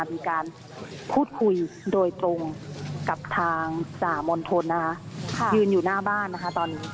มีการพูดคุยโดยตรงกับทางจ่ามณฑลนะคะยืนอยู่หน้าบ้านนะคะตอนนี้